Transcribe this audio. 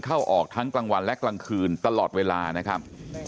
เข้าออกทั้งกลางวันและกลางคืนตลอดเวลานะครับ